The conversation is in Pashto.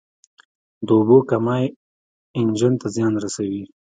د اوبو کمی انجن ته زیان رسوي.